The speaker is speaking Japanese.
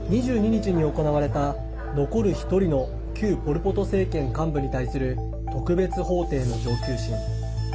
２２日に行われた、残る１人の旧ポル・ポト政権幹部に対する特別法廷の上級審。